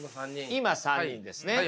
今３人ですね。